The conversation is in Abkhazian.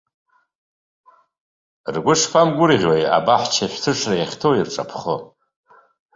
Ргәы шԥамгәырӷьои, абаҳча шәҭышра иахьҭоу ирҿаԥхо!